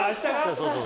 そうそう。